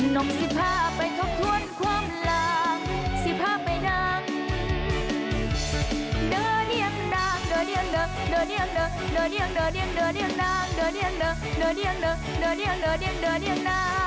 นมสิบห้าไปทบทวนความหลากสิบห้าไปนั่งเดอเรียงนาง